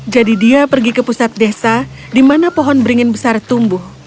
jadi dia pergi ke pusat desa di mana pohon beringin besar tumbuh